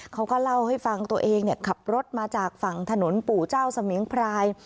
เขาก็เล่าให้ฟังตัวเองขับรถมาจากฝั่งถนนปู่เจ้าเสมียงพราย